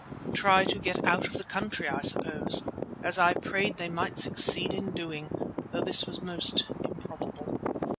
Try to get out of the country, I suppose, as I prayed they might succeed in doing, though this was most improbable.